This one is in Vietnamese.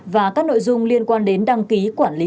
và các nội dung liên quan đến đăng ký quản lý